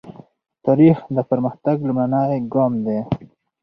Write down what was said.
تاریخ د پرمختګ لومړنی ګام دی.